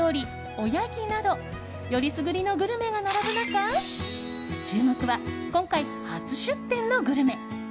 おやきなどよりすぐりのグルメが並ぶ中注目は今回初出店のグルメ。